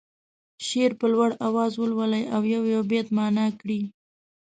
شعر په لوړ اواز ولولي او یو یو بیت معنا کړي.